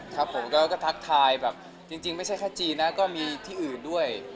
ครับผมก็ทักทายแบบจริงไม่ใช่แค่จีนนะก็มีที่อื่นด้วย